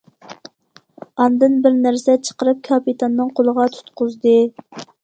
ئاندىن بىر نەرسە چىقىرىپ كاپىتاننىڭ قولىغا تۇتقۇزدى.